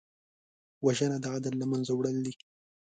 وژنه د عدل له منځه وړل دي